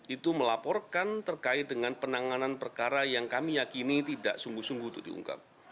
itu melaporkan terkait dengan penanganan perkara yang kami yakini tidak sungguh sungguh untuk diungkap